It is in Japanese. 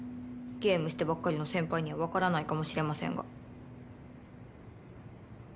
ゲームしてばっかりの先輩にはわからないかもしれませんが。